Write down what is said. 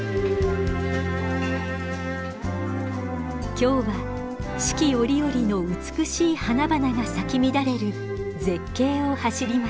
今日は四季折々の美しい花々が咲き乱れる絶景を走ります。